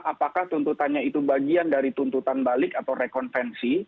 apakah tuntutannya itu bagian dari tuntutan balik atau rekonvensi